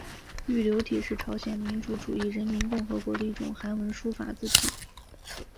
玉流体是朝鲜民主主义人民共和国的一种韩文书法字体。